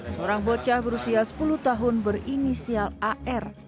seorang bocah berusia sepuluh tahun berinisial ar